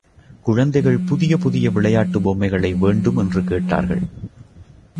குழந்தைகள் புதிய புதிய விளையாட்டுப் பொம்மைகள் வேண்டும் என்று கேட்டார்கள்.